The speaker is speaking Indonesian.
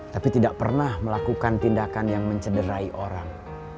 tapi tidak pernah melakukan tindakan yang mencederai orang